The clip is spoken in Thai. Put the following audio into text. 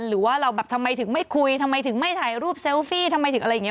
หรือว่าเราแบบทำไมถึงไม่คุยทำไมถึงไม่ถ่ายรูปเซลฟี่ทำไมถึงอะไรอย่างนี้